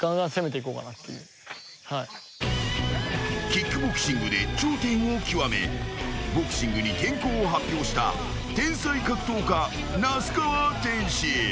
［キックボクシングで頂点を極めボクシングに転向を発表した天才格闘家］